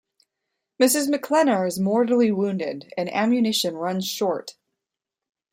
Mrs. McKlennar is mortally wounded and ammunition runs short.